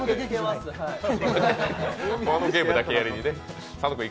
あのゲームだけやりにね。